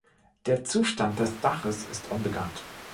Der Zustand des Daches ist unbekannt.